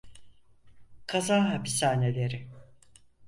Kaza hapishaneleri.